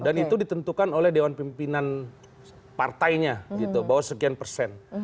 dan itu ditentukan oleh dewan pimpinan partainya gitu bahwa sekian persen